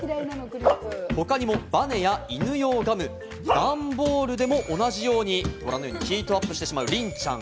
他にもバネや犬用ガム、段ボールでも同じように、ご覧のようにヒートアップしてしまう、りんちゃん。